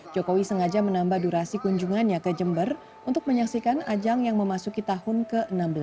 jokowi sengaja menambah durasi kunjungannya ke jember untuk menyaksikan ajang yang memasuki tahun ke enam belas